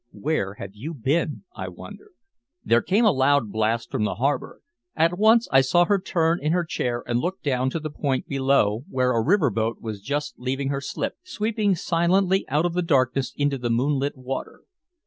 "Where have you been," I wondered. There came a loud blast from the harbor. At once I saw her turn in her chair and look down to the point below where a river boat was just leaving her slip, sweeping silently out of the darkness into the moonlit water.